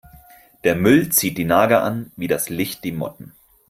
Der Müll zieht die Nager an wie das Licht die Motten.